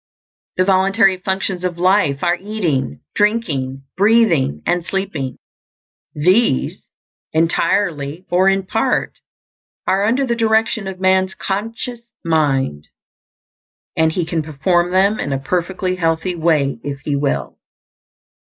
The voluntary functions of life are eating, drinking, breathing, and sleeping. These, entirely or in part, are under the direction of man's conscious mind; and he can perform them in a perfectly healthy way if he will.